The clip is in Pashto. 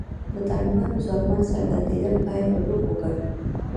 د طالبانو ځواکمن څرګندېدل باید بلوغ وګڼو.